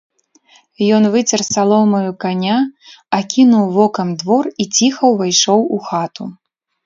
Ён выцер саломаю каня, акінуў вокам двор і ціха ўвайшоў у хату.